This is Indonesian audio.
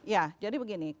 ya jadi begini